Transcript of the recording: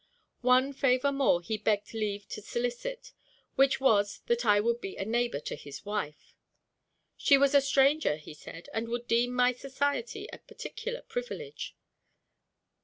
One favor more he begged leave to solicit; which was, that I would be a neighbor to his wife. "She was a stranger," he said, "and would deem my society a particular privilege."